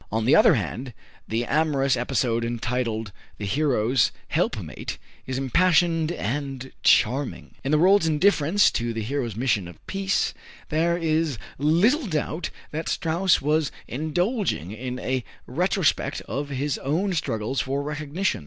On the other hand, the amorous episode, entitled "The Hero's Helpmate," is impassioned and charming. In the world's indifference to the hero's mission of peace, there is little doubt that Strauss was indulging in a retrospect of his own struggles for recognition.